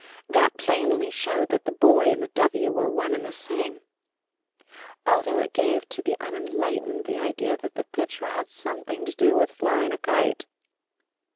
That plainly showed that the Boy and the W were one and the same, although it gave to the unenlightened the idea that the picture had something to do with flying a kite.